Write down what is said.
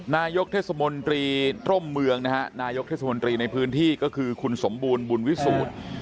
นายกเทศมนตรีร่มเมืองนะฮะนายกเทศมนตรีในพื้นที่ก็คือคุณสมบูรณ์บุญวิสูจน์